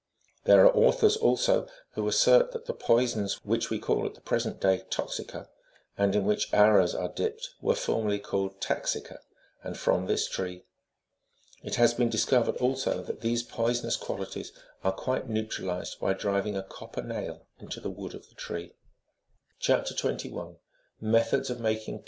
There are authors, also, who assert that the poisons which we call at the present day " toxica," and in which arrows are dipped, were formerly called taxica,34 from this tree. It has been discovered, also, that these poisonous qualities are quite neu tralized by driving a copper nail into the wood of the tree. 29 Or "louse bearing."